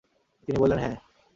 তিনি বললেন, হ্যাঁ।